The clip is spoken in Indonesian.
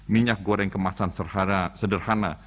minyak goreng kemasan sederhana